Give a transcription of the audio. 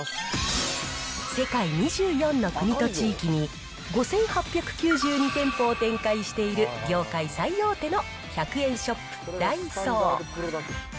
世界２４の国と地域に５８９２店舗を展開している業界最大手の１００円ショップ、ダイソー。